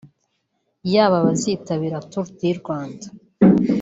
yaba abazitabira Tour Du Rwanda